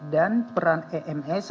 dan peran ems